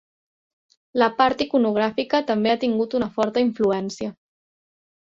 La part iconogràfica també ha tingut una forta influència.